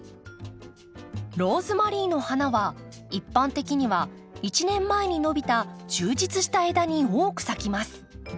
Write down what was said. ローズマリーの花は一般的には１年前に伸びた充実した枝に多く咲きます。